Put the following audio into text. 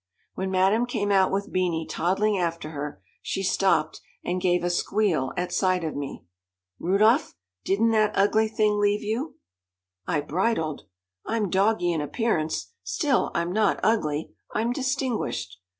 When Madame came out with Beanie toddling after her, she stopped, and gave a squeal at sight of me. "Rudolph, didn't that ugly thing leave you?" I bridled I'm doggy in appearance, still I'm not ugly I'm distinguished.